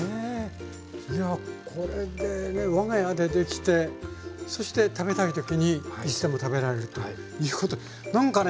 いやこれでね我が家でできてそして食べたい時にいつでも食べられるということで何かね